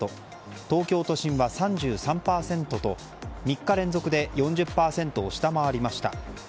東京都心は３３％と３日連続で４０％を下回りました。